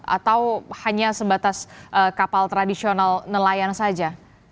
atau hanya sebatas kapal tradisional nelayan saja